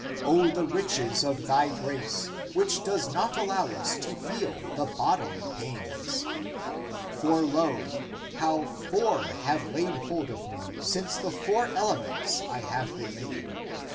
O the riches of thy grace, which does not allow us to feel the bodily pains ! For, lo, how four have laid hold of me, since of the four elements I have been made!